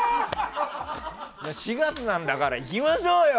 ４月なんだからいきましょうよ！